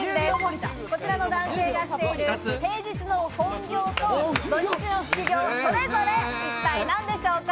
こちらの男性がしている平日の本業と土日の副業、それぞれ一体何でしょうか？